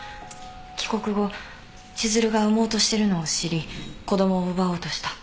帰国後千寿留が産もうとしてるのを知り子供を奪おうとした。